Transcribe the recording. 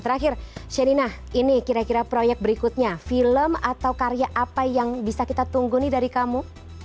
terakhir sherina ini kira kira proyek berikutnya film atau karya apa yang bisa kita tunggu nih dari kamu